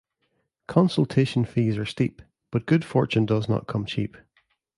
Consultation fees are steep, but good fortune does not come cheap.